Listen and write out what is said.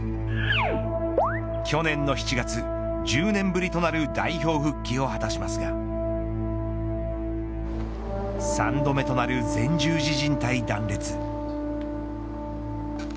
去年の７月、１０年ぶりとなる代表復帰を果たしますが３度目となる前十字靭帯断裂。